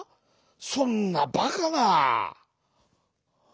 そんなバカな」。